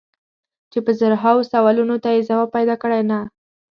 چې په زرهاوو سوالونو ته یې ځواب پیدا کړی که نه.